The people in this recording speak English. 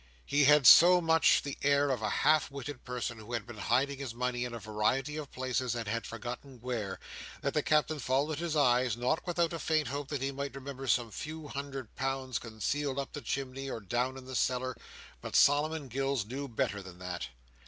He had so much the air of a half witted person who had been hiding his money in a variety of places, and had forgotten where, that the Captain followed his eyes, not without a faint hope that he might remember some few hundred pounds concealed up the chimney, or down in the cellar. But Solomon Gills knew better than that.